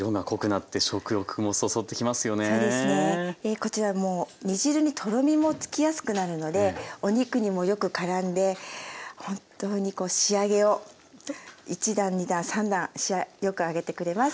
こちらもう煮汁にとろみもつきやすくなるのでお肉にもよくからんで本当にこう仕上げを一段二段三段よくあげてくれます。